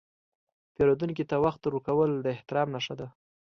پیرودونکي ته وخت ورکول د احترام نښه ده.